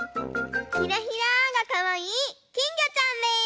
ひらひらがかわいいきんぎょちゃんです！